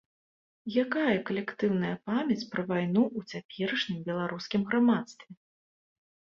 Якая калектыўная памяць пра вайну ў цяперашнім беларускім грамадстве?